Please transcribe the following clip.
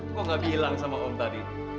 kok gak bilang sama om tadi